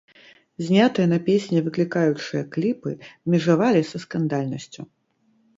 Знятыя на песні выклікаючыя кліпы межавалі з скандальнасцю.